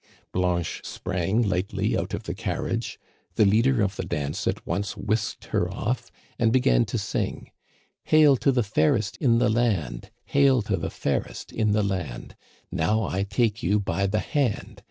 Blanche sprang lightly out of the carriage. The leader of the dance at once whisked her off, and began to sing :" Hail to the fairest in the land ! (Hail to the fairest m the land !)•* Now I take you by the hand.